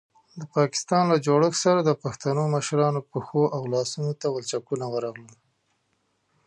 د پاکستان له جوړښت سره د پښتنو مشرانو پښو او لاسونو ته ولچکونه ورغلل.